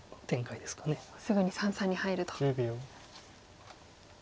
すぐに三々に入ると。